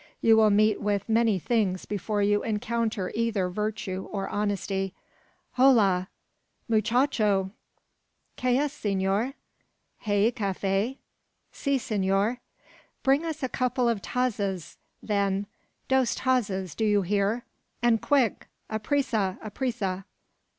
You will meet with many things before you encounter either virtue or honesty. Hola! muchacho!" "Que es, senor?" "Hay cafe?" "Si, senor." "Bring us a couple of tazas, then dos tazas, do you hear? and quick aprisa! aprisa!"